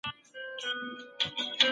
دوکه کول د مسلمان کار نه دی.